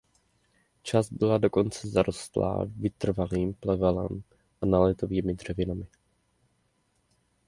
Část byla dokonce zarostlá vytrvalým plevelem a náletovými dřevinami.